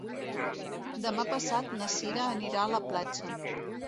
Demà passat na Cira anirà a la platja.